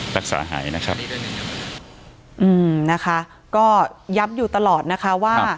รักษาหายนะครับอืมนะคะก็ย้ำอยู่ตลอดนะคะว่า